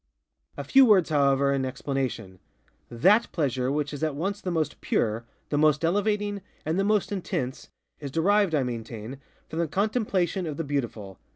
A few words, however, in explanation. _That _pleasure which is at once the most pure, the most elevating, and the most intense, is derived, I maintain, from the contemplation of the Beautiful.